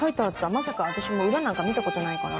まさか私もう裏なんか見たことないから。